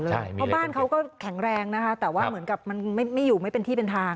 เพราะบ้านเขาก็แข็งแรงนะคะแต่ว่าเหมือนกับมันไม่อยู่ไม่เป็นที่เป็นทาง